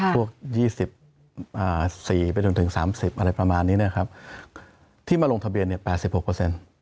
พวก๒๔ไปจนถึง๓๐อะไรประมาณนี้นะครับที่มาลงทะเบียนเนี่ย๘๖เปอร์เซ็นต์